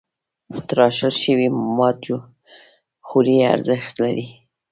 تراشل شوي مواد خوري ارزښت لري.